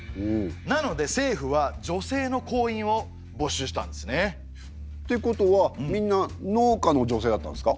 なので政府は女性の工員をぼしゅうしたんですね。ってことはみんな農家の女性だったんですか？